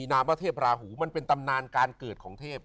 นามว่าเทพราหูมันเป็นตำนานการเกิดของเทพ